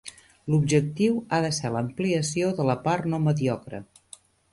L'objectiu ha de ser l'ampliació de la part no mediocre.